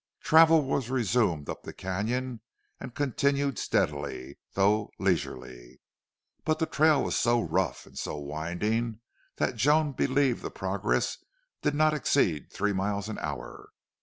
Travel was resumed up the canon and continued steadily, though leisurely. But the trail was so rough, and so winding, that Joan believed the progress did not exceed three miles an hour.